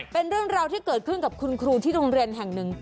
เป็นเรื่องราวที่เกิดขึ้นกับคุณครูที่โรงเรียนแห่งหนึ่ง